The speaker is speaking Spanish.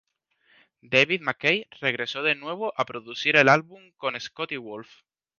David Mackay regresó de nuevo a producir el álbum con Scott y Wolfe.